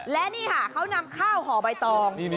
และนี่ค่ะเขานำข้าวห่อใบตอง